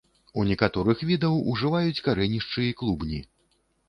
У некаторых відаў ужываюць карэнішчы і клубні.